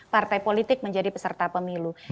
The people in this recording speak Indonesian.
partai politik menjadi peserta pemilu